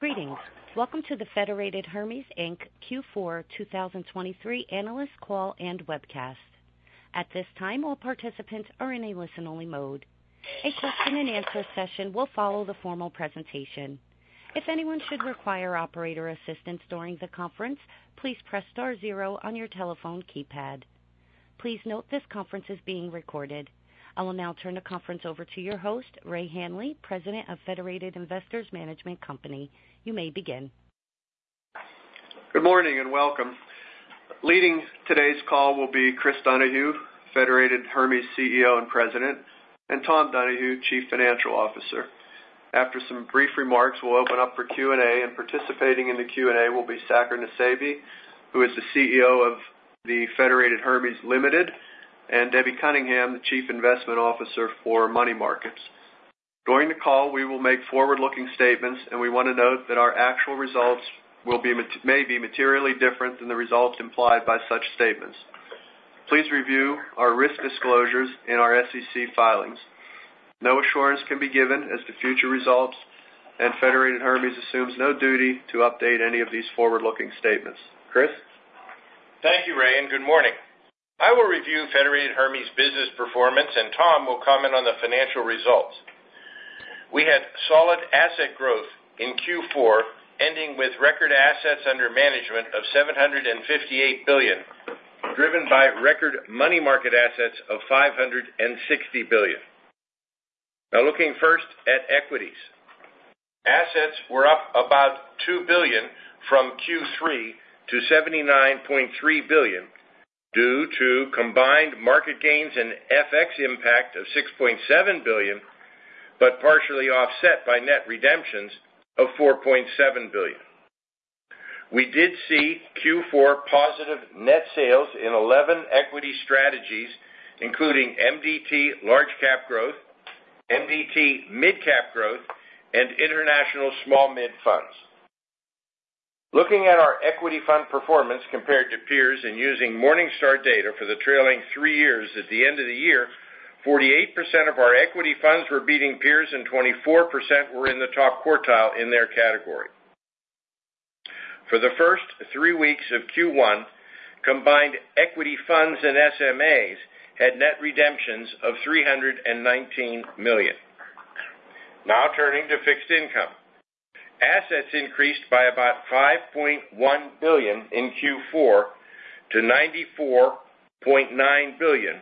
Greetings. Welcome to the Federated Hermes, Inc. Q4 2023 Analyst Call and Webcast. At this time, all participants are in a listen-only mode. A question and answer session will follow the formal presentation. If anyone should require operator assistance during the conference, please press star zero on your telephone keypad. Please note, this conference is being recorded. I will now turn the conference over to your host, Ray Hanley, President of Federated Investors Management Company. You may begin. Good morning, and welcome. Leading today's call will be Chris Donahue, Federated Hermes CEO and President, and Tom Donahue, Chief Financial Officer. After some brief remarks, we'll open up for Q&A, and participating in the Q&A will be Saker Nusseibeh, who is the CEO of the Federated Hermes Limited, and Debbie Cunningham, the Chief Investment Officer for Money Markets. During the call, we will make forward-looking statements, and we want to note that our actual results may be materially different than the results implied by such statements. Please review our risk disclosures in our SEC filings. No assurance can be given as to future results, and Federated Hermes assumes no duty to update any of these forward-looking statements. Chris? Thank you, Ray, and good morning. I will review Federated Hermes business performance, and Tom will comment on the financial results. We had solid asset growth in Q4, ending with record assets under management of $758 billion, driven by record money market assets of $560 billion. Now looking first at equities. Assets were up about $2 billion from Q3 to $79.3 billion, due to combined market gains and FX impact of $6.7 billion, but partially offset by net redemptions of $4.7 billion. We did see Q4 positive net sales in 11 equity strategies, including MDT Large Cap Growth, MDT Mid Cap Growth, and International Small-Mid Funds. Looking at our equity fund performance compared to peers and using Morningstar data for the trailing three years at the end of the year, 48% of our equity funds were beating peers and 24% were in the top quartile in their category. For the first three weeks of Q1, combined equity funds and SMAs had net redemptions of $319 million. Now turning to fixed income. Assets increased by about $5.1 billion in Q4 to $94.9 billion,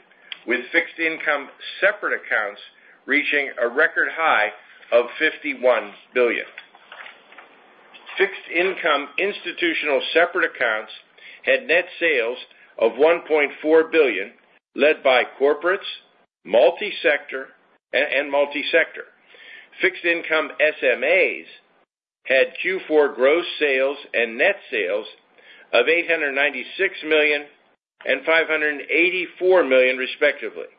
with fixed income separate accounts reaching a record high of $51 billion. Fixed income institutional separate accounts had net sales of $1.4 billion, led by corporates, multi-sector, and multi-sector. Fixed income SMAs had Q4 gross sales and net sales of $896 million and $584 million, respectively.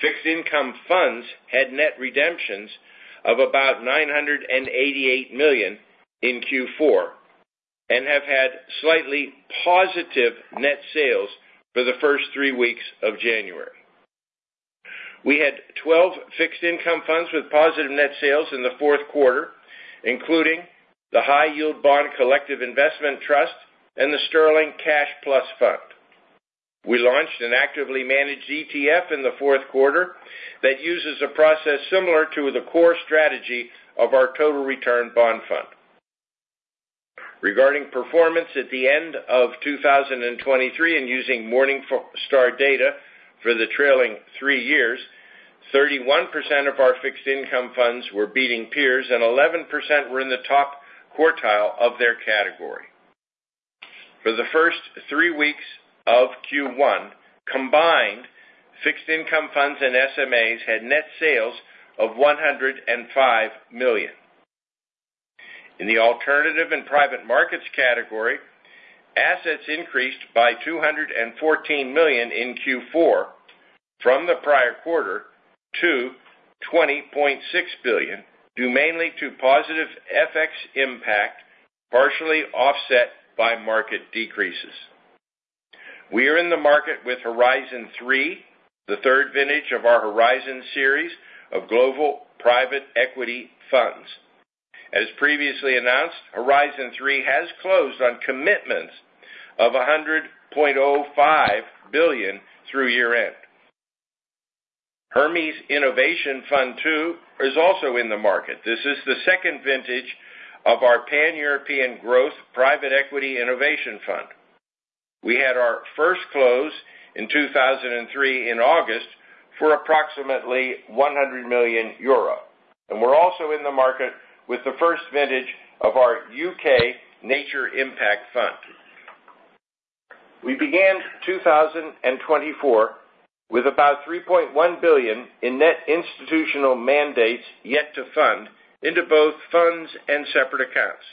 Fixed income funds had net redemptions of about $988 million in Q4 and have had slightly positive net sales for the first three weeks of January. We had 12 fixed income funds with positive net sales in the fourth quarter, including the High Yield Bond Collective Investment Trust and the Sterling Cash Plus Fund. We launched an actively managed ETF in the fourth quarter that uses a process similar to the core strategy of our Total Return Bond Fund. Regarding performance at the end of 2023, and using Morningstar data for the trailing three years, 31% of our fixed income funds were beating peers, and 11% were in the top quartile of their category. For the first three weeks of Q1, combined fixed income funds and SMAs had net sales of $105 million. In the alternative and private markets category, assets increased by $214 million in Q4 from the prior quarter to $20.6 billion, due mainly to positive FX impact, partially offset by market decreases. We are in the market with Horizon III, the third vintage of our Horizon series of global private equity funds. As previously announced, Horizon III has closed on commitments of $100.05 billion through year-end. Hermes Innovation Fund II is also in the market. This is the second vintage of our Pan-European Growth Private Equity Innovation Fund. We had our first close in 2003 in August for approximately 100 million euro, and we're also in the market with the first vintage of our UK Nature Impact Fund. We began 2024 with about $3.1 billion in net institutional mandates yet to fund into both funds and separate accounts.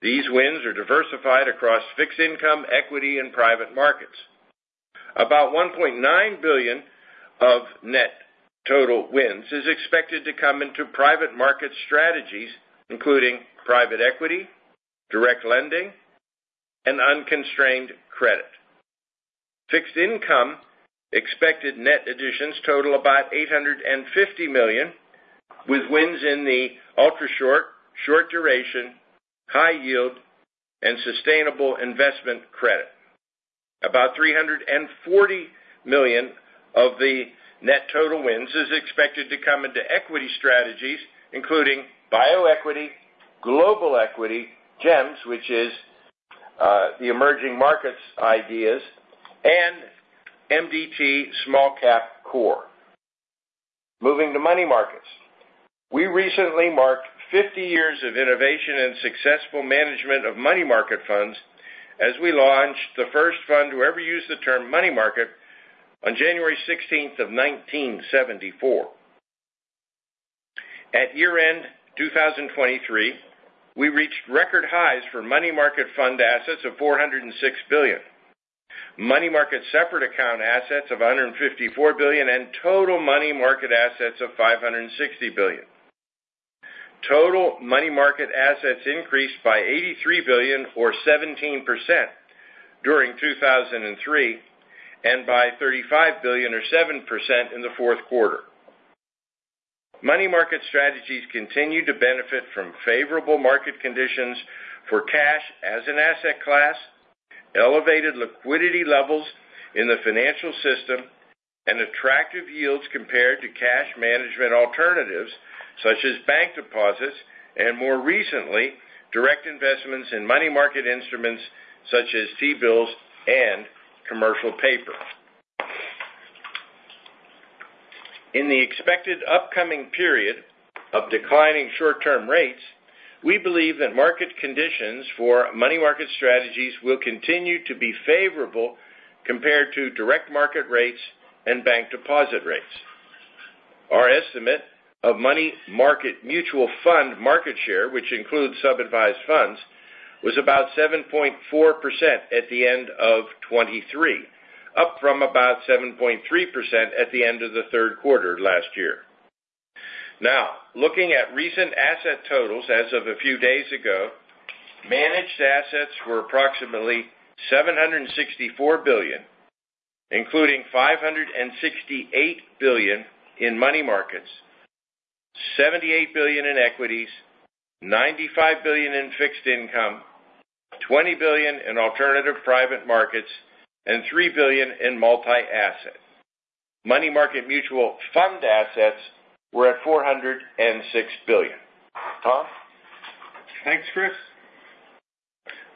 These wins are diversified across fixed income, equity, and private markets. About $1.9 billion of net total wins is expected to come into private market strategies, including private equity, direct lending, and unconstrained credit. Fixed income expected net additions total about $850 million, with wins in the ultrashort, short duration, high yield, and sustainable investment credit. About $340 million of the net total wins is expected to come into equity strategies, including bioequity, global equity, GEMS, which is the emerging markets ideas, and MDT Small Cap Core. Moving to money markets. We recently marked 50 years of innovation and successful management of money market funds as we launched the first fund to ever use the term money market on January 16, 1974. At year-end 2023, we reached record highs for money market fund assets of $406 billion. Money market separate account assets of $154 billion, and total money market assets of $560 billion. Total money market assets increased by $83 billion or 17% during 2023, and by $35 billion or 7% in the fourth quarter. Money market strategies continue to benefit from favorable market conditions for cash as an asset class, elevated liquidity levels in the financial system, and attractive yields compared to cash management alternatives such as bank deposits and, more recently, direct investments in money market instruments such as T-bills and commercial paper. In the expected upcoming period of declining short-term rates, we believe that market conditions for money market strategies will continue to be favorable compared to direct market rates and bank deposit rates. Our estimate of money market mutual fund market share, which includes sub-advised funds, was about 7.4% at the end of 2023, up from about 7.3% at the end of the third quarter last year. Now, looking at recent asset totals as of a few days ago, managed assets were approximately $764 billion, including $568 billion in money markets, $78 billion in equities, $95 billion in fixed income, $20 billion in alternative private markets, and $3 billion in multi-asset. Money market mutual fund assets were at $406 billion. Tom? Thanks, Chris.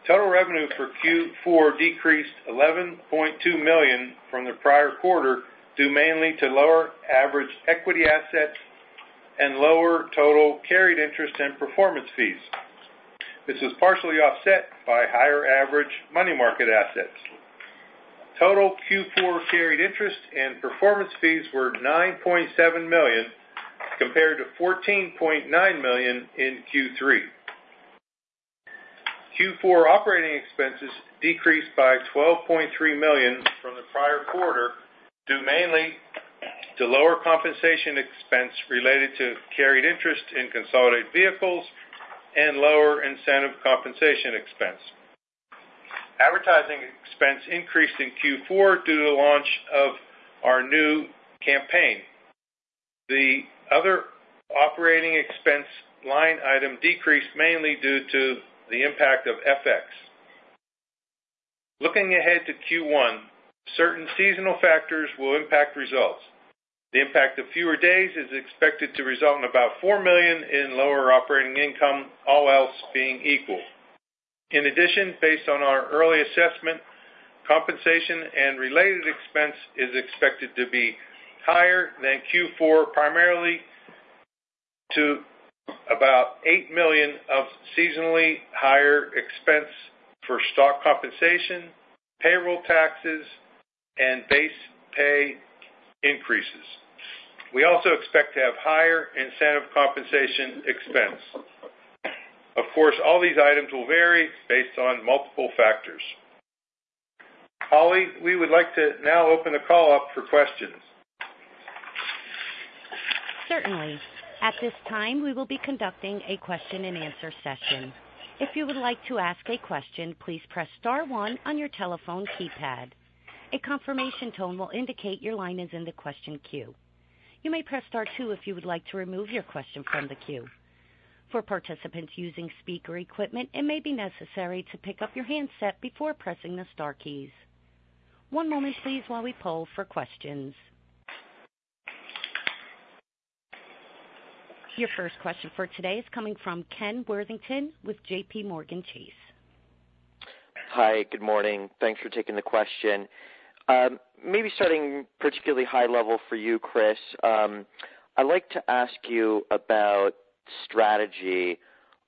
Total revenue for Q4 decreased $11.2 million from the prior quarter, due mainly to lower average equity assets and lower total carried interest and performance fees. This is partially offset by higher average money market assets. Total Q4 carried interest and performance fees were $9.7 million, compared to $14.9 million in Q3. Q4 operating expenses decreased by $12.3 million from the prior quarter, due mainly to lower compensation expense related to carried interest in consolidated vehicles and lower incentive compensation expense. Advertising expense increased in Q4 due to the launch of our new campaign. The other operating expense line item decreased mainly due to the impact of FX. Looking ahead to Q1, certain seasonal factors will impact results. The impact of fewer days is expected to result in about $4 million in lower operating income, all else being equal. In addition, based on our early assessment, compensation and related expense is expected to be higher than Q4, primarily to about $8 million of seasonally higher expense for stock compensation, payroll taxes, and base pay increases. We also expect to have higher incentive compensation expense. Of course, all these items will vary based on multiple factors. Holly, we would like to now open the call up for questions. Certainly. At this time, we will be conducting a question-and-answer session. If you would like to ask a question, please press star one on your telephone keypad. A confirmation tone will indicate your line is in the question queue. You may press star two if you would like to remove your question from the queue. For participants using speaker equipment, it may be necessary to pick up your handset before pressing the star keys. One moment, please, while we poll for questions. Your first question for today is coming from Ken Worthington with JPMorgan Chase. Hi, good morning. Thanks for taking the question. Maybe starting particularly high level for you, Chris, I'd like to ask you about strategy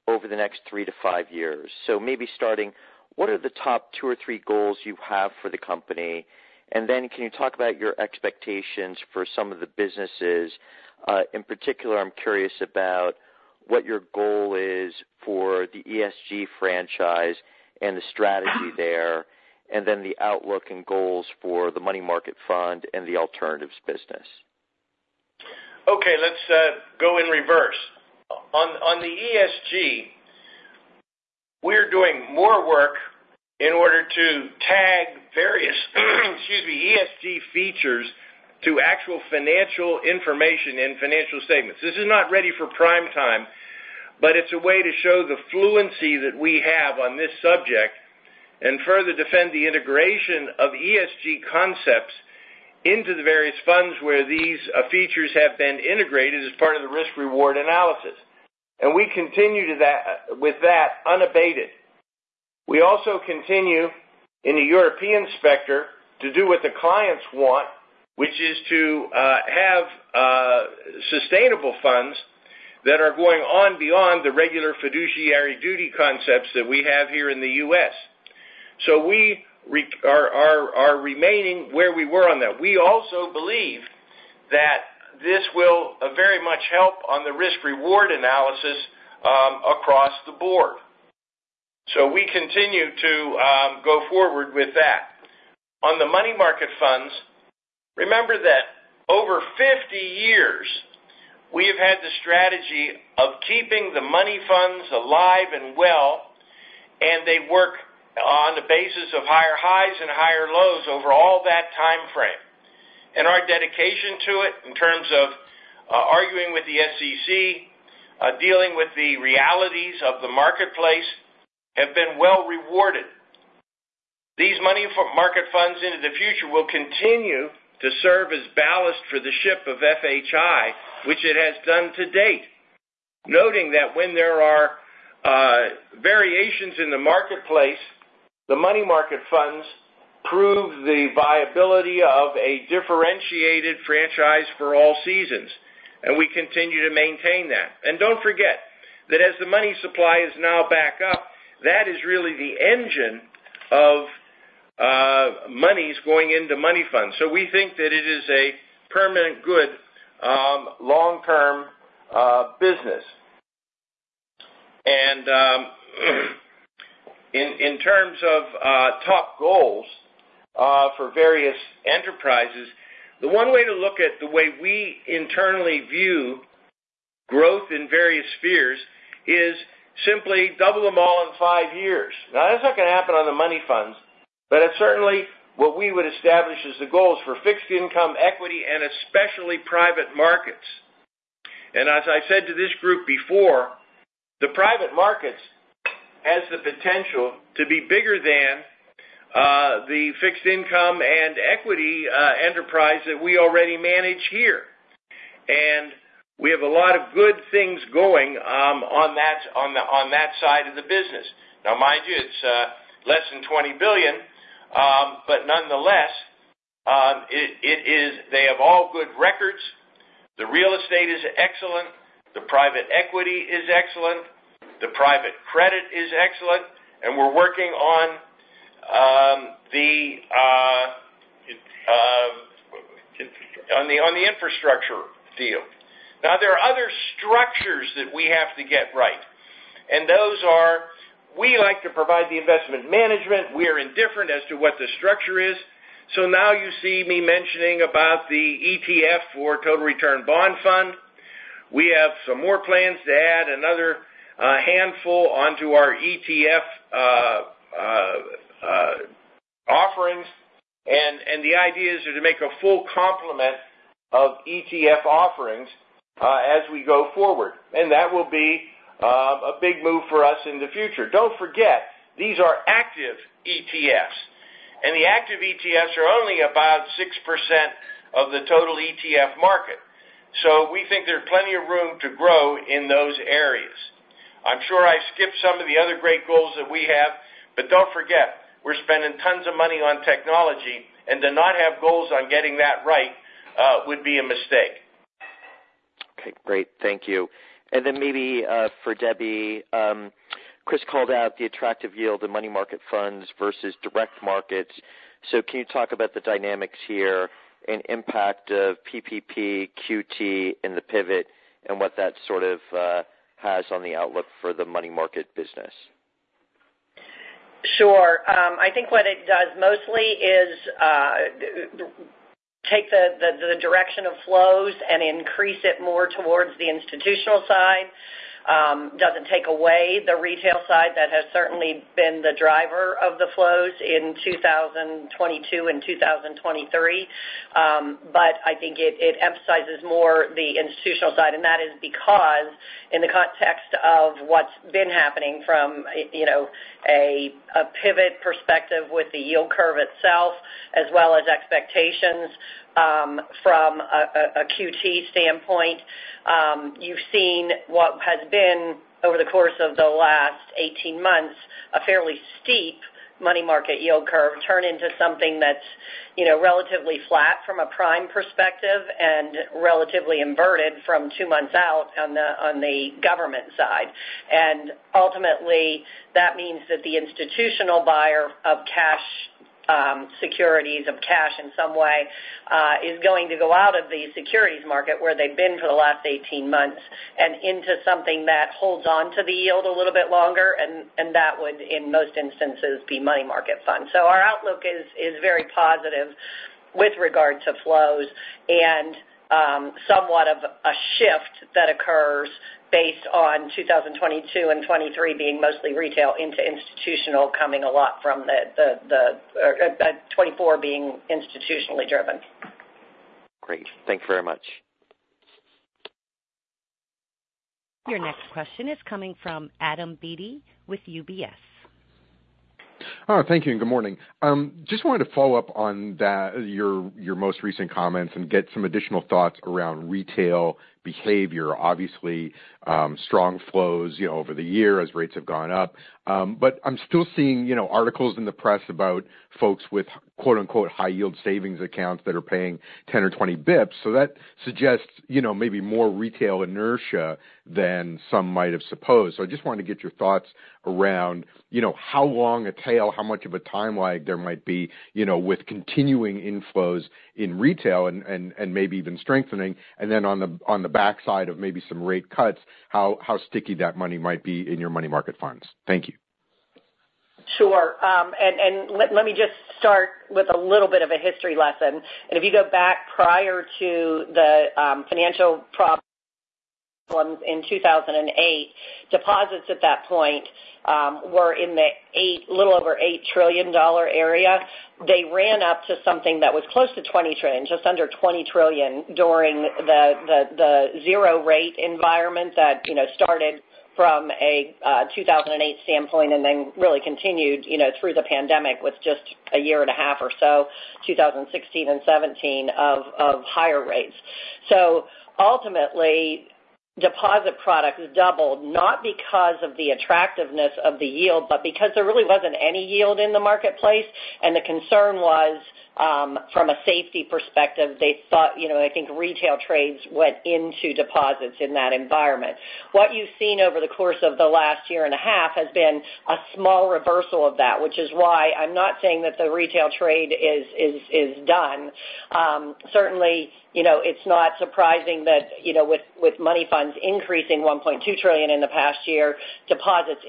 over the next three to five years. So maybe starting, what are the top two or three goals you have for the company? And then can you talk about your expectations for some of the businesses? In particular, I'm curious about what your goal is for the ESG franchise and the strategy there, and then the outlook and goals for the money market fund and the alternatives business. Okay, let's go in reverse. On the ESG, we are doing more work in order to tag various, excuse me, ESG features to actual financial information in financial statements. This is not ready for prime time, but it's a way to show the fluency that we have on this subject and further defend the integration of ESG concepts into the various funds where these features have been integrated as part of the risk-reward analysis. And we continue with that unabated. We also continue in the European sector to do what the clients want, which is to have sustainable funds that are going on beyond the regular fiduciary duty concepts that we have here in the US. So we are remaining where we were on that. We also believe that this will very much help on the risk-reward analysis across the board. So we continue to go forward with that. On the money market funds, remember that over 50 years, we have had the strategy of keeping the money funds alive and well, and they work on the basis of higher highs and higher lows over all that time frame. And our dedication to it, in terms of arguing with the SEC, dealing with the realities of the marketplace, have been well rewarded. These money market funds into the future will continue to serve as ballast for the ship of FHI, which it has done to date. Noting that when there are variations in the marketplace, the money market funds prove the viability of a differentiated franchise for all seasons, and we continue to maintain that. Don't forget that as the money supply is now back up, that is really the engine of monies going into money funds. So we think that it is a permanent, good, long-term business. In terms of top goals for various enterprises, the one way to look at the way we internally view growth in various spheres is simply double them all in five years. Now, that's not going to happen on the money funds, but it's certainly what we would establish as the goals for fixed income, equity, and especially private markets. And as I said to this group before, the private markets has the potential to be bigger than the fixed income and equity enterprise that we already manage here. We have a lot of good things going on that side of the business. Now, mind you, it's less than $20 billion, but nonetheless, it is. They have all good records. The real estate is excellent, the private equity is excellent, the private credit is excellent, and we're working on the infrastructure field. Now, there are other structures that we have to get right, and those are. We like to provide the investment management. We are indifferent as to what the structure is. Now you see me mentioning about the ETF for Total Return Bond Fund. We have some more plans to add another handful onto our ETF offerings, and the idea is to make a full complement of ETF offerings as we go forward, and that will be a big move for us in the future. Don't forget, these are active ETFs, and the active ETFs are only about 6% of the total ETF market. So we think there's plenty of room to grow in those areas. I'm sure I skipped some of the other great goals that we have, but don't forget, we're spending tons of money on technology, and to not have goals on getting that right would be a mistake. Okay, great. Thank you. And then maybe for Debbie, Chris called out the attractive yield of money market funds versus direct markets. So can you talk about the dynamics here and impact of PPP, QT, and the pivot, and what that sort of has on the outlook for the money market business? Sure. I think what it does mostly is take the direction of flows and increase it more towards the institutional side. Doesn't take away the retail side. That has certainly been the driver of the flows in 2022 and 2023. But I think it emphasizes more the institutional side, and that is because in the context of what's been happening from, you know, a pivot perspective with the yield curve itself, as well as expectations from a QT standpoint, you've seen what has been, over the course of the last 18 months, a fairly steep money market yield curve turn into something that's, you know, relatively flat from a prime perspective and relatively inverted from two months out on the government side. And ultimately, that means that the institutional buyer of cash securities, of cash in some way, is going to go out of the securities market, where they've been for the last 18 months, and into something that holds on to the yield a little bit longer, and that would, in most instances, be money market funds. So our outlook is very positive with regard to flows and somewhat of a shift that occurs based on 2022 and 2023 being mostly retail into institutional, coming a lot from the 2024 being institutionally driven. Great. Thank you very much. Your next question is coming from Adam Beatty with UBS. Thank you, and good morning. Just wanted to follow up on that, your, your most recent comments and get some additional thoughts around retail behavior. Obviously, strong flows, you know, over the year as rates have gone up. But I'm still seeing, you know, articles in the press about folks with quote, unquote, "high yield savings accounts" that are paying 10 or 20 basis points. So that suggests, you know, maybe more retail inertia than some might have supposed. So I just wanted to get your thoughts around, you know, how long a tail, how much of a time lag there might be, you know, with continuing inflows in retail and, and, and maybe even strengthening. And then on the, on the backside of maybe some rate cuts, how, how sticky that money might be in your money market funds? Thank you. Sure. And let me just start with a little bit of a history lesson. And if you go back prior to the financial problems in 2008, deposits at that point were in the little over $8 trillion area. They ran up to something that was close to $20 trillion, just under $20 trillion, during the zero rate environment that, you know, started from a 2008 standpoint, and then really continued, you know, through the pandemic, with just a year and a half or so, 2016 and 2017 of higher rates. So ultimately, deposit products doubled, not because of the attractiveness of the yield, but because there really wasn't any yield in the marketplace, and the concern was from a safety perspective. They thought, you know, I think retail trades went into deposits in that environment. What you've seen over the course of the last year and a half has been a small reversal of that, which is why I'm not saying that the retail trade is done. Certainly, you know, it's not surprising that, you know, with money funds increasing $1.2 trillion in the past year, deposits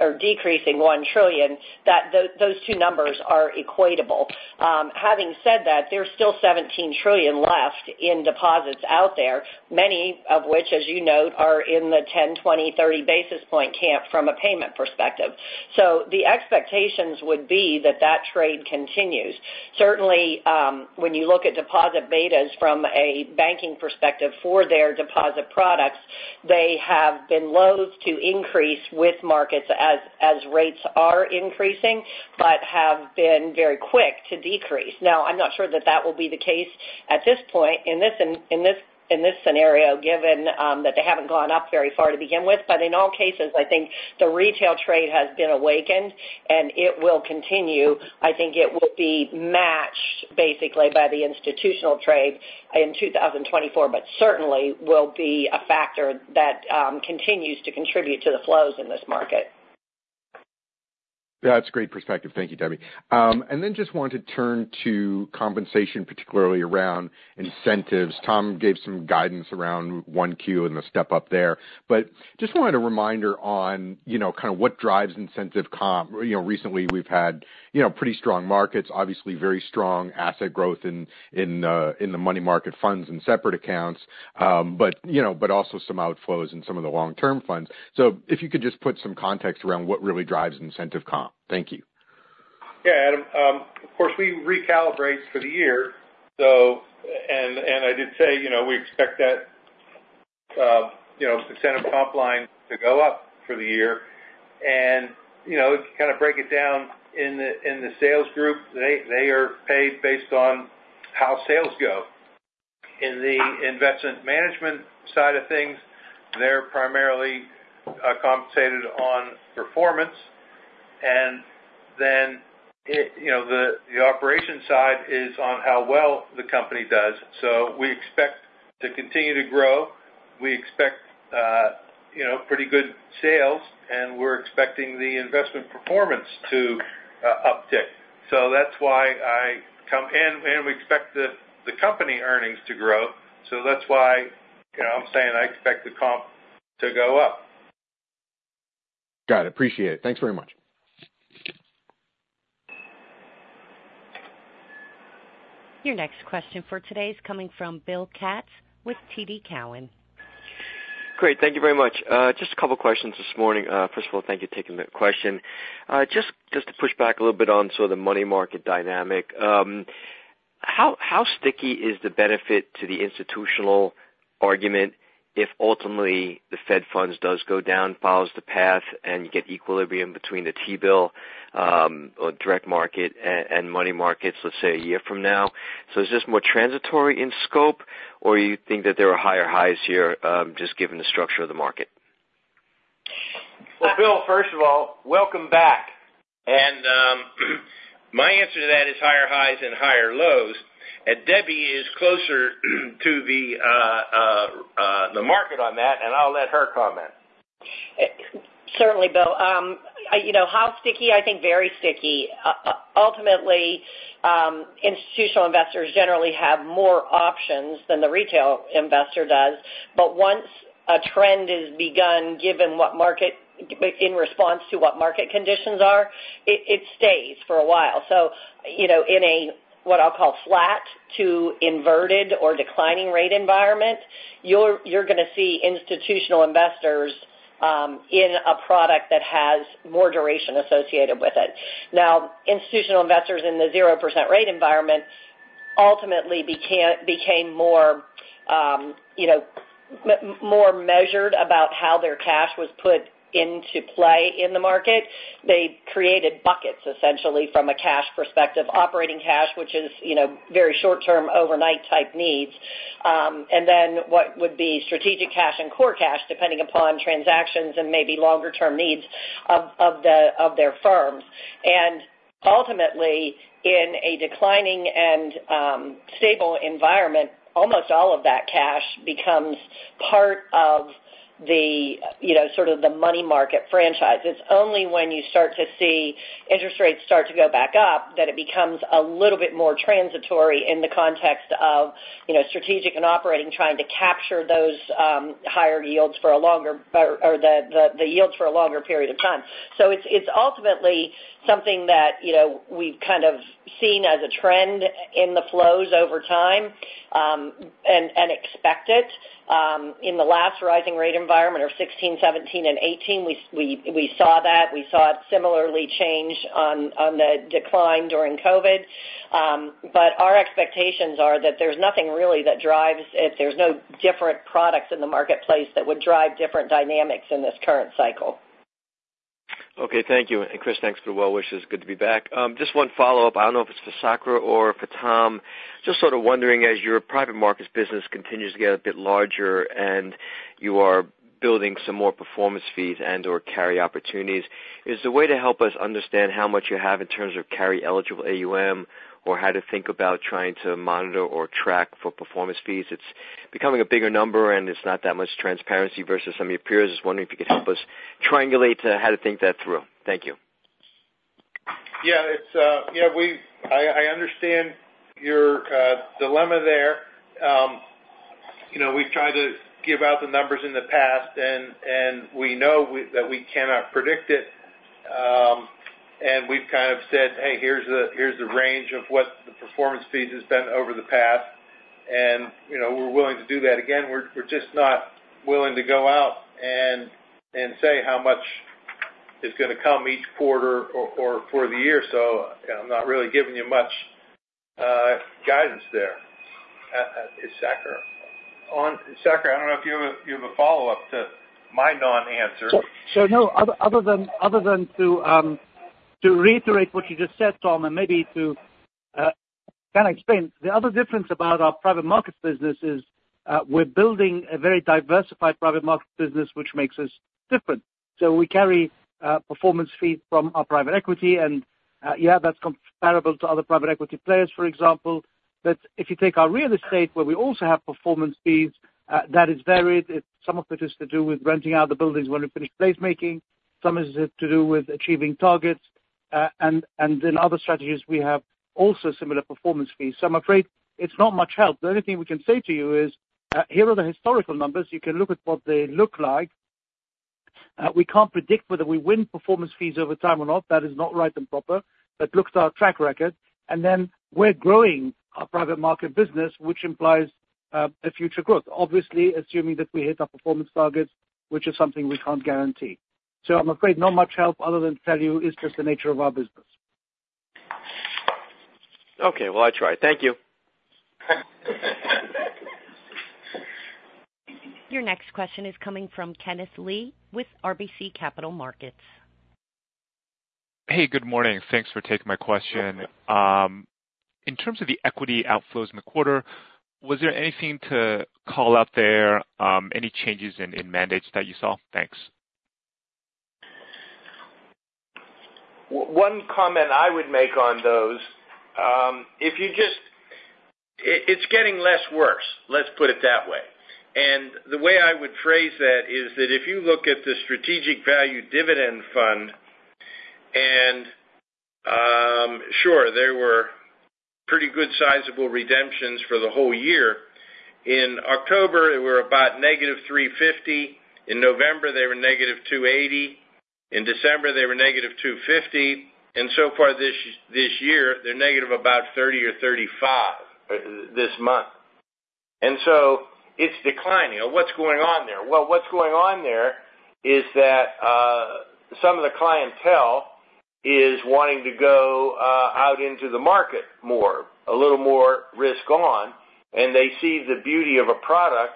or decreasing $1 trillion, that those two numbers are equitable. Having said that, there's still $17 trillion left in deposits out there, many of which, as you note, are in the 10, 20, 30 basis point camp from a payment perspective. So the expectations would be that that trade continues. Certainly, when you look at deposit betas from a banking perspective for their deposit products, they have been loath to increase with markets as rates are increasing, but have been very quick to decrease. Now, I'm not sure that that will be the case at this point in this scenario, given that they haven't gone up very far to begin with. But in all cases, I think the retail trade has been awakened, and it will continue. I think it will be matched basically by the institutional trade in 2024, but certainly will be a factor that continues to contribute to the flows in this market. That's great perspective. Thank you, Debbie. And then just wanted to turn to compensation, particularly around incentives. Tom gave some guidance around 1Q and the step up there. But just wanted a reminder on, you know, kind of what drives incentive comp. You know, recently we've had, you know, pretty strong markets, obviously very strong asset growth in the money market funds and separate accounts, but, you know, but also some outflows in some of the long-term funds. So if you could just put some context around what really drives incentive comp. Thank you. Yeah, Adam. Of course, we recalibrate for the year, so... And I did say, you know, we expect that, you know, incentive comp line to go up for the year. And, you know, to kind of break it down, in the sales group, they are paid based on how sales go. In the investment management side of things, they're primarily compensated on performance. And then, you know, the operation side is on how well the company does. So we expect to continue to grow. We expect, you know, pretty good sales, and we're expecting the investment performance to uptick. So that's why, and we expect the company earnings to grow. So that's why, you know, I'm saying I expect the comp to go up. Got it. Appreciate it. Thanks very much. Your next question for today is coming from Bill Katz with TD Cowen. Great. Thank you very much. Just a couple questions this morning. First of all, thank you for taking the question. Just to push back a little bit on the money market dynamic. How sticky is the benefit to the institutional argument if ultimately the Fed funds does go down, follows the path, and you get equilibrium between the T-bill or direct market and money markets, let's say, a year from now? So is this more transitory in scope, or you think that there are higher highs here just given the structure of the market? Well, Bill, first of all, welcome back. And my answer to that is higher highs and higher lows, and Debbie is closer to the market on that, and I'll let her comment. Certainly, Bill. You know, how sticky? I think very sticky. Ultimately, institutional investors generally have more options than the retail investor does. But once a trend is begun, in response to what market conditions are, it stays for a while. So, you know, in a, what I'll call flat to inverted or declining rate environment, you're going to see institutional investors in a product that has more duration associated with it. Now, institutional investors in the 0% rate environment ultimately became more measured about how their cash was put into play in the market. They created buckets, essentially, from a cash perspective. Operating cash, which is, you know, very short term, overnight type needs. And then what would be strategic cash and core cash, depending upon transactions and maybe longer term needs of their firms. And ultimately, in a declining and stable environment, almost all of that cash becomes part of the, you know, sort of the money market franchise. It's only when you start to see interest rates start to go back up that it becomes a little bit more transitory in the context of, you know, strategic and operating, trying to capture those higher yields for a longer or the yields for a longer period of time. So it's ultimately something that, you know, we've kind of seen as a trend in the flows over time, and expect it. In the last rising rate environment of 2016, 2017, and 2018, we saw that. We saw it similarly change on the decline during COVID. But our expectations are that there's nothing really that drives it. There's no different products in the marketplace that would drive different dynamics in this current cycle. Okay, thank you. Chris, thanks for the well wishes. Good to be back. Just one follow-up. I don't know if it's for Saker or for Tom. Just sort of wondering, as your private markets business continues to get a bit larger and you are building some more performance fees and/or carry opportunities, is there a way to help us understand how much you have in terms of carry-eligible AUM, or how to think about trying to monitor or track for performance fees? It's becoming a bigger number, and it's not that much transparency versus some of your peers. Just wondering if you could help us triangulate how to think that through. Thank you. Yeah, it's... Yeah, I understand your dilemma there. You know, we've tried to give out the numbers in the past, and we know that we cannot predict it. And we've kind of said, "Hey, here's the range of what the performance fees has been over the past." And, you know, we're willing to do that again. We're just not willing to go out and say how much is gonna come each quarter or for the year. So I'm not really giving you much guidance there. Is Saker on? Saker, I don't know if you have a follow-up to my non-answer. Sure. So no, other than to reiterate what you just said, Tom, and maybe to kind of explain, the other difference about our private markets business is, we're building a very diversified private markets business, which makes us different. So we carry performance fees from our private equity, and yeah, that's comparable to other private equity players, for example. But if you take our real estate, where we also have performance fees, that is varied. Some of it is to do with renting out the buildings when we finish placemaking, some is to do with achieving targets, and in other strategies we have also similar performance fees. So I'm afraid it's not much help. The only thing we can say to you is, here are the historical numbers. You can look at what they look like. We can't predict whether we win performance fees over time or not. That is not right and proper. But look at our track record, and then we're growing our private market business, which implies, a future growth, obviously, assuming that we hit our performance targets, which is something we can't guarantee. So I'm afraid not much help other than tell you it's just the nature of our business. Okay, well, I tried. Thank you. Your next question is coming from Kenneth Lee with RBC Capital Markets. Hey, good morning. Thanks for taking my question. In terms of the equity outflows in the quarter, was there anything to call out there? Any changes in mandates that you saw? Thanks. Well, one comment I would make on those, if you just. It's getting less worse, let's put it that way. And the way I would phrase that is that if you look at the Strategic Value Dividend Fund, and, sure, there were pretty good sizable redemptions for the whole year. In October, they were about -$350 million. In November, they were -$280 million. In December, they were -$250 million. And so far this year, they're negative about 30 or 35 this month. And so it's declining. What's going on there? Well, what's going on there is that, some of the clientele is wanting to go, out into the market more, a little more risk on, and they see the beauty of a product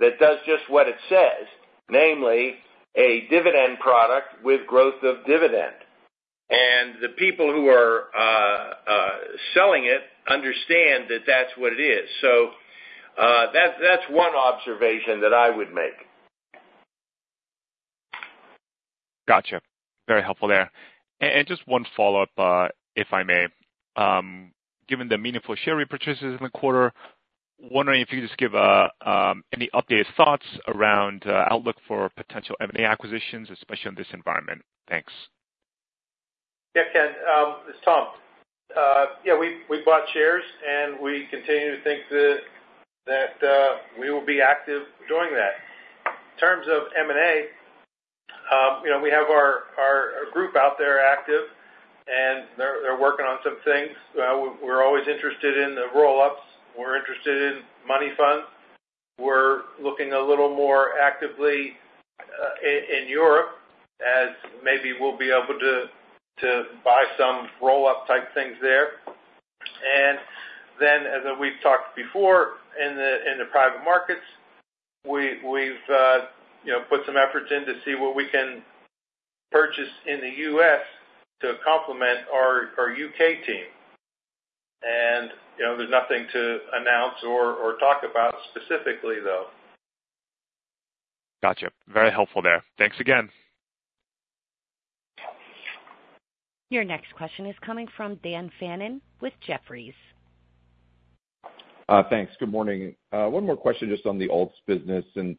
that does just what it says, namely, a dividend product with growth of dividend. And the people who are selling it understand that that's what it is. So, that's one observation that I would make. Gotcha. Very helpful there. And just one follow-up, if I may. Given the meaningful share repurchases in the quarter, wondering if you could just give any updated thoughts around outlook for potential M&A acquisitions, especially in this environment. Thanks. Yeah, Ken, it's Tom. Yeah, we bought shares, and we continue to think that we will be active doing that. In terms of M&A, you know, we have our group out there active, and they're working on some things. We're always interested in the roll-ups, we're interested in money funds. We're looking a little more actively in Europe, as maybe we'll be able to buy some roll-up type things there. And then, as we've talked before, in the private markets, we've you know, put some efforts in to see what we can purchase in the US to complement our UK team. And, you know, there's nothing to announce or talk about specifically, though. Gotcha. Very helpful there. Thanks again. Your next question is coming from Dan Fannon with Jefferies. Thanks. Good morning. One more question just on the Alts business and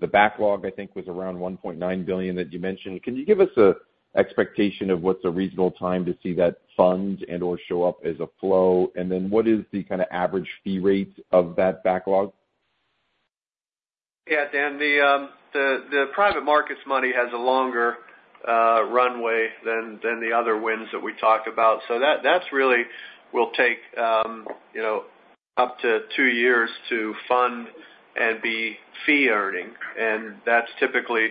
the backlog, I think, was around $1.9 billion that you mentioned. Can you give us a expectation of what's a reasonable time to see that fund and/or show up as a flow? And then what is the kind of average fee rate of that backlog? Yeah, Dan, the private markets money has a longer runway than the other wins that we talk about. So that's really will take, you know, up to two years to fund and be fee earning. And that's typically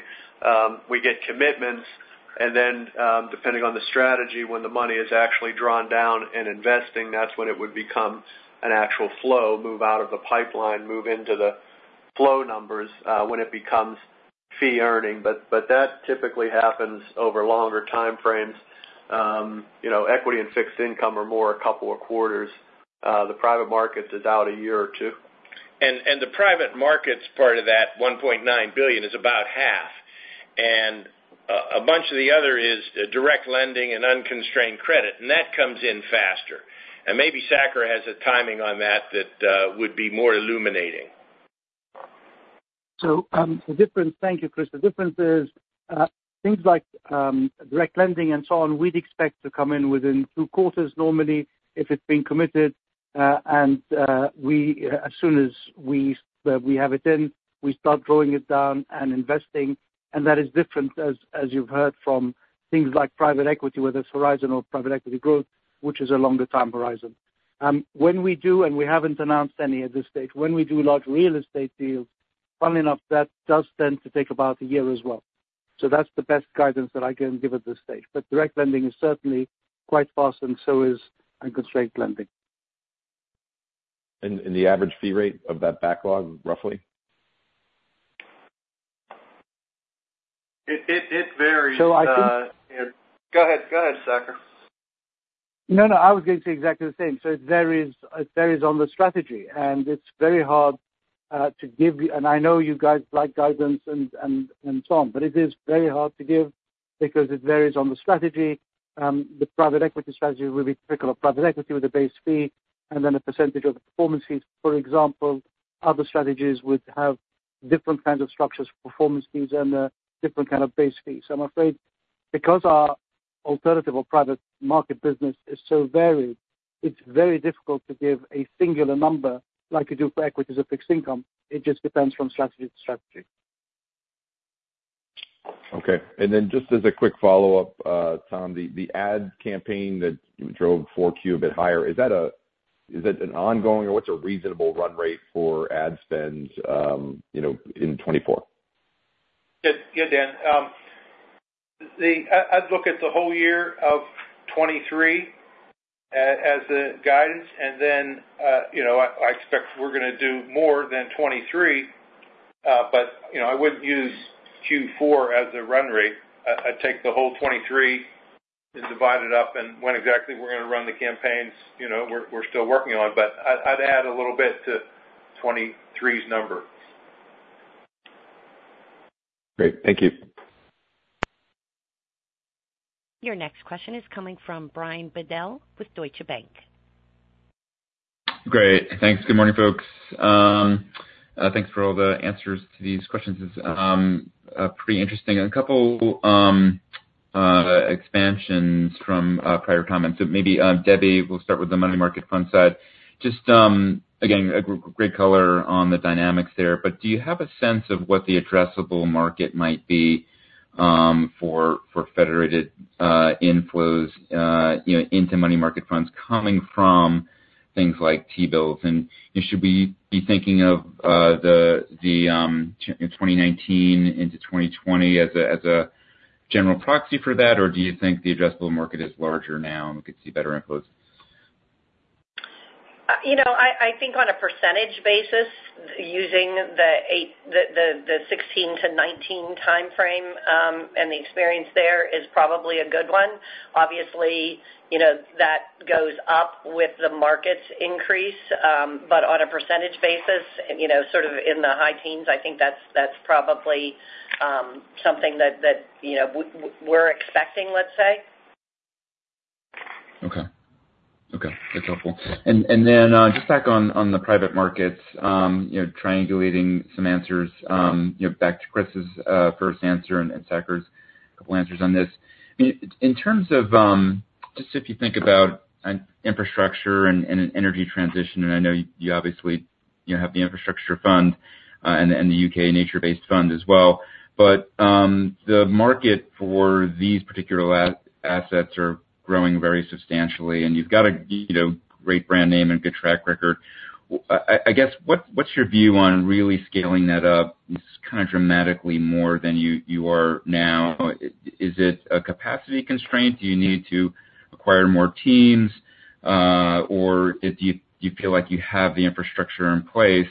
we get commitments, and then, depending on the strategy, when the money is actually drawn down and investing, that's when it would become an actual flow, move out of the pipeline, move into the flow numbers, when it becomes fee earning. But that typically happens over longer time frames. You know, equity and fixed income are more a couple of quarters. The private markets is out a year or two. The private markets part of that $1.9 billion is about half, and a bunch of the other is direct lending and unconstrained credit, and that comes in faster. And maybe Saker has a timing on that that would be more illuminating. So, the difference. Thank you, Chris. The difference is, things like, direct lending and so on, we'd expect to come in within two quarters, normally, if it's been committed. And, we, as soon as we have it in, we start drawing it down and investing. And that is different as, as you've heard from things like private equity, where there's horizon or private equity growth, which is a longer time horizon. When we do, and we haven't announced any at this stage, when we do large real estate deals, funnily enough, that does tend to take about a year as well. So that's the best guidance that I can give at this stage. But direct lending is certainly quite fast, and so is unconstrained lending. And the average fee rate of that backlog, roughly? It varies. So I think- Go ahead. Go ahead, Saker. No, no, I was going to say exactly the same. So it varies, it varies on the strategy, and it's very hard to give you, and I know you guys like guidance and so on, but it is very hard to give because it varies on the strategy. The private equity strategy will be particular. Private equity with a base fee and then a percentage of the performance fees, for example, other strategies would have different kinds of structures, performance fees, and different kind of base fees. So I'm afraid because our alternative or private market business is so varied, it's very difficult to give a singular number like you do for equities or fixed income. It just depends from strategy to strategy. Okay. And then just as a quick follow-up, Tom, the ad campaign that drove Q4 a bit higher, is that an ongoing or what's a reasonable run rate for ad spends, you know, in 2024? Good. Good, Dan. I'd look at the whole year of 2023 as the guidance, and then, you know, I expect we're gonna do more than 2023. But, you know, I wouldn't use Q4 as a run rate. I'd take the whole 2023 and divide it up. And when exactly we're gonna run the campaigns, you know, we're still working on, but I'd add a little bit to 2023's number. Great. Thank you. Your next question is coming from Brian Bedell with Deutsche Bank. Great. Thanks. Good morning, folks. Thanks for all the answers to these questions. It's pretty interesting. A couple expansions from prior comments. So maybe, Debbie, we'll start with the money market fund side. Just again, a great color on the dynamics there, but do you have a sense of what the addressable market might be for Federated inflows, you know, into money market funds coming from things like T-bills? And you should be thinking of 2019 into 2020 as a general proxy for that, or do you think the addressable market is larger now and we could see better inflows? You know, I think on a percentage basis, using the 16-19 timeframe, and the experience there is probably a good one. Obviously, you know, that goes up with the market's increase, but on a percentage basis, you know, sort of in the high teens, I think that's probably something that you know, we're expecting, let's say. Okay. Okay, that's helpful. And then, just back on the private markets, you know, triangulating some answers, you know, back to Chris's first answer and Saker's couple answers on this. I mean, in terms of just if you think about an infrastructure and an energy transition, and I know you obviously have the infrastructure fund and the UK nature-based fund as well. But the market for these particular assets are growing very substantially, and you've got a, you know, great brand name and good track record. I guess, what's your view on really scaling that up just kind of dramatically more than you are now? Is it a capacity constraint? Do you need to acquire more teams, or do you feel like you have the infrastructure in place,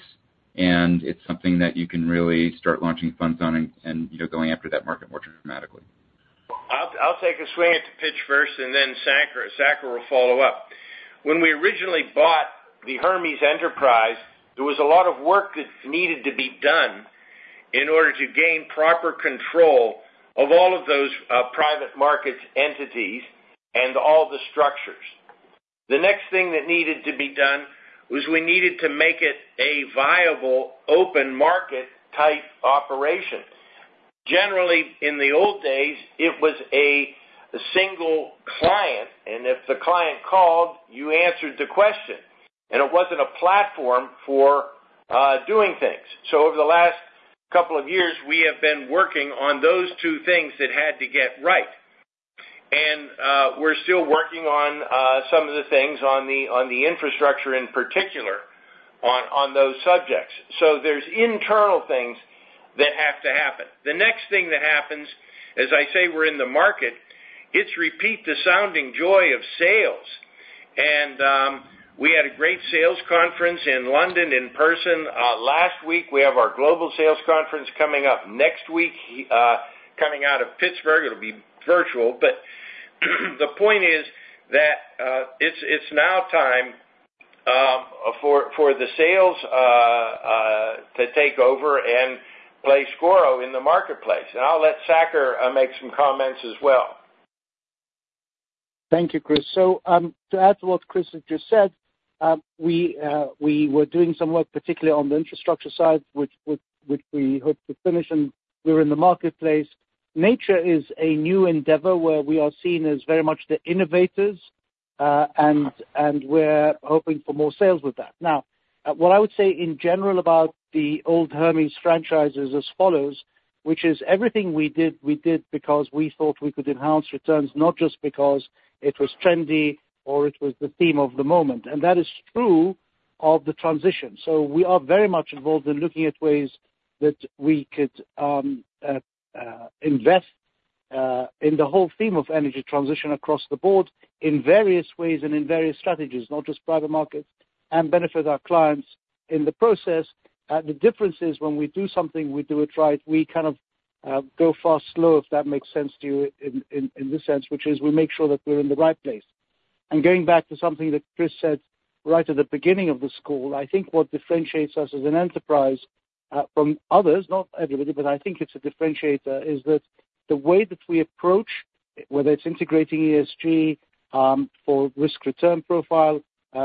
and it's something that you can really start launching funds on and, you know, going after that market more dramatically? Well, I'll take a swing at the pitch first, and then Saker will follow up. When we originally bought the Hermes enterprise, there was a lot of work that needed to be done in order to gain proper control of all of those private markets entities and all the structures. The next thing that needed to be done was we needed to make it a viable open market-type operation. Generally, in the old days, it was a single client, and if the client called, you answered the question, and it wasn't a platform for doing things. So over the last couple of years, we have been working on those two things that had to get right. And we're still working on some of the things on the infrastructure, in particular, on those subjects. So there's internal things that have to happen. The next thing that happens, as I say, we're in the market, it's repeat the sounding joy of sales. We had a great sales conference in London in person last week. We have our global sales conference coming up next week, coming out of Pittsburgh. It'll be virtual, but the point is that it's now time for the sales to take over and play Scorro in the marketplace. I'll let Saker make some comments as well. Thank you, Chris. So, to add to what Chris has just said, we were doing some work, particularly on the infrastructure side, which we hope to finish, and we're in the marketplace. Nature is a new endeavor where we are seen as very much the innovators, and we're hoping for more sales with that. Now, what I would say in general about the old Hermes franchises as follows, which is everything we did, we did because we thought we could enhance returns, not just because it was trendy or it was the theme of the moment, and that is true of the transition. So we are very much involved in looking at ways that we could invest in the whole theme of energy transition across the board in various ways and in various strategies, not just private markets, and benefit our clients in the process. The difference is when we do something, we do it right. We kind of go fast, slow, if that makes sense to you, in this sense, which is we make sure that we're in the right place. And going back to something that Chris said right at the beginning of this call, I think what differentiates us as an enterprise from others, not everybody, but I think it's a differentiator, is that the way that we approach, whether it's integrating ESG for risk-return profile,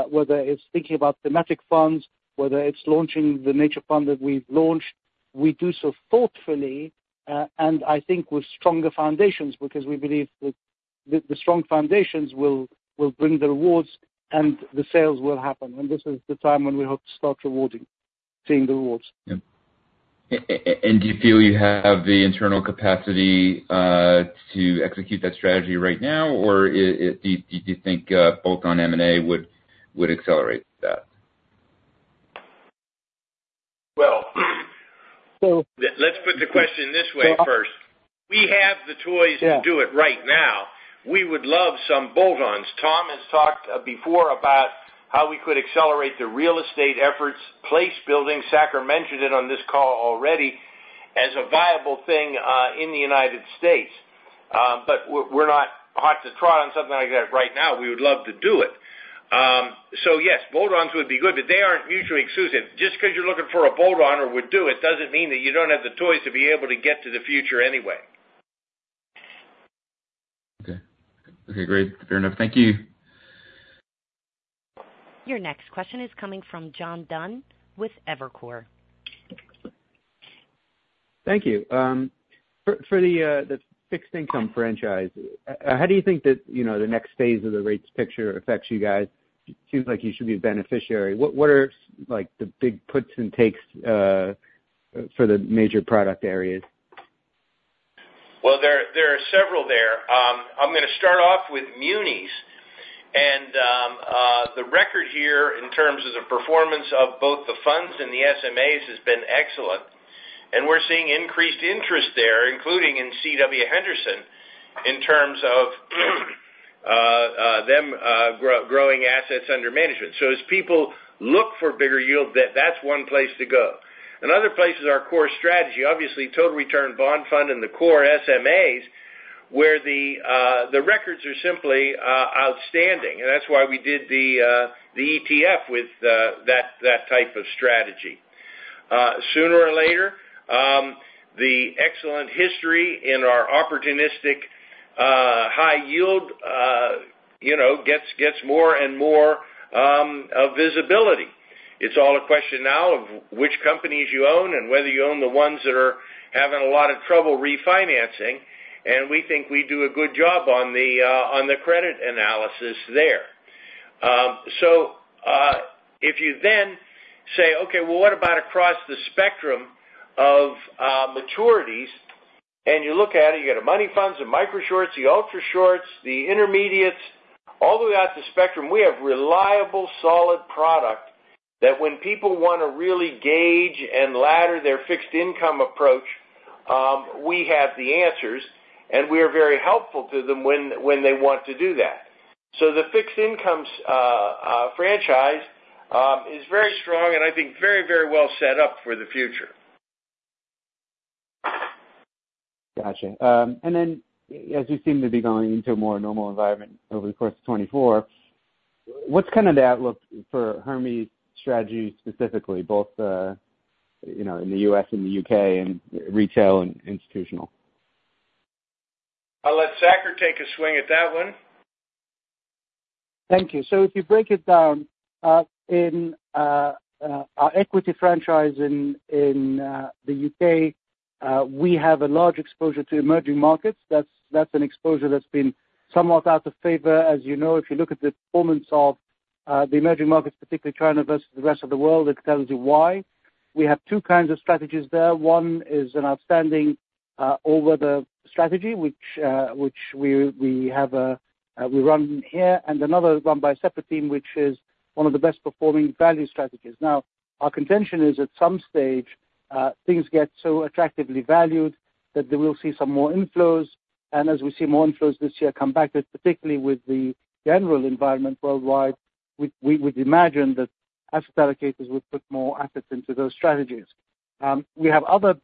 whether it's thinking about thematic funds, whether it's launching the nature fund that we've launched, we do so thoughtfully and I think with stronger foundations, because we believe that the, the strong foundations will, will bring the rewards, and the sales will happen. And this is the time when we hope to start rewarding, seeing the rewards. Yep. And do you feel you have the internal capacity to execute that strategy right now, or do you think bolt-on M&A would accelerate that? Well, so let's put the question this way first. Well- We have the toys to do it right now. We would love some bolt-ons. Tom has talked before about how we could accelerate the real estate efforts, place building. Saker mentioned it on this call already, as a viable thing in the United States. But we're not hot to trot on something like that right now. We would love to do it. So yes, bolt-ons would be good, but they aren't mutually exclusive. Just because you're looking for a bolt-on or would do it, doesn't mean that you don't have the toys to be able to get to the future anyway. Okay. Okay, great. Fair enough. Thank you. Your next question is coming from John Dunn with Evercore. Thank you. For the fixed income franchise, how do you think that, you know, the next phase of the rates picture affects you guys? It seems like you should be a beneficiary. What are like the big puts and takes for the major product areas? Well, there are several. I'm gonna start off with munis, and the record here, in terms of the performance of both the funds and the SMAs, has been excellent. And we're seeing increased interest there, including in CW Henderson, in terms of them growing assets under management. So as people look for bigger yield, that's one place to go. Another place is our core strategy, obviously, Total Return Bond Fund and the core SMAs, where the records are simply outstanding. And that's why we did the ETF with that type of strategy. Sooner or later, the excellent history in our opportunistic high yield, you know, gets more and more visibility. It's all a question now of which companies you own and whether you own the ones that are having a lot of trouble refinancing, and we think we do a good job on the credit analysis there. If you then say, okay, well, what about across the spectrum of maturities? And you look at it, you got the money funds, the micro shorts, the ultra shorts, the intermediates, all the way out the spectrum. We have reliable, solid product that when people want to really gauge and ladder their fixed income approach, we have the answers, and we are very helpful to them when they want to do that. So the fixed income franchise is very strong and I think very, very well set up for the future. Gotcha. And then as you seem to be going into a more normal environment over the course of 2024, what's kind of the outlook for Hermes strategy, specifically, both, you know, in the US and the UK, and retail and institutional? I'll let Saker take a swing at that one. Thank you. So if you break it down, in our equity franchise in the UK, we have a large exposure to emerging markets. That's an exposure that's been somewhat out of favor. As you know, if you look at the performance of the emerging markets, particularly China versus the rest of the world, it tells you why. We have two kinds of strategies there. One is an outstanding over the strategy, which we run here, and another run by a separate team, which is one of the best performing value strategies. Now, our contention is at some stage, things get so attractively valued that they will see some more inflows, and as we see more inflows this year come back, particularly with the general environment worldwide, we would imagine that asset allocators would put more assets into those strategies. We have other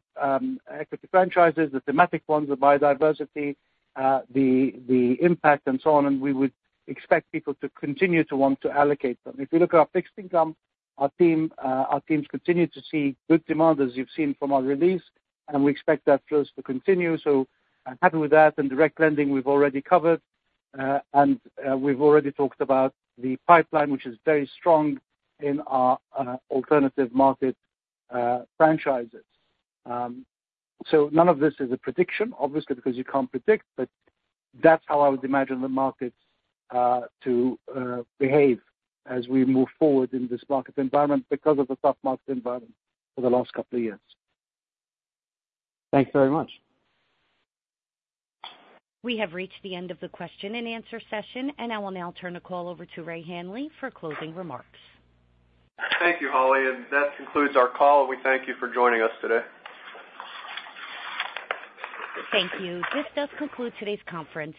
equity franchises, the thematic ones, the biodiversity, the impact and so on, and we would expect people to continue to want to allocate them. If you look at our fixed income, our teams continue to see good demand, as you've seen from our release, and we expect that flows to continue. So I'm happy with that, and direct lending we've already covered, and we've already talked about the pipeline, which is very strong in our alternative market franchises. None of this is a prediction, obviously, because you can't predict, but that's how I would imagine the markets to behave as we move forward in this market environment, because of the tough market environment for the last couple of years. Thanks very much. We have reached the end of the question and answer session, and I will now turn the call over to Ray Hanley for closing remarks. Thank you, Holly, and that concludes our call, and we thank you for joining us today. Thank you. This does conclude today's conference.